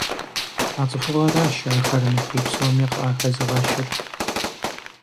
А цӀыхугъэращ ахэр мыдрей псоми къахэзыгъэщыр.